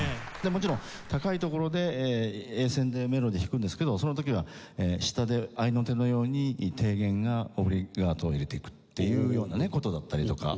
もちろん高い所でＥ線でメロディー弾くんですけどその時は下で合いの手のように低弦がオブリガートを入れていくっていうような事だったりとか。